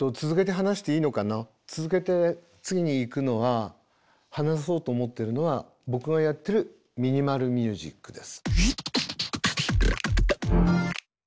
続けて次にいくのは話そうと思ってるのは僕がやってるミニマル・ミュージックです。